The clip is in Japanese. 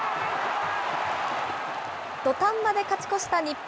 土壇場で勝ち越した日本。